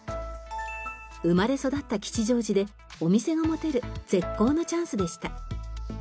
生まれ育った吉祥寺でお店が持てる絶好のチャンスでした。